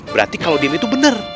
berarti kalau deal itu benar